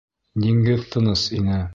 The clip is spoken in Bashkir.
Диңгеҙ тыныс ине.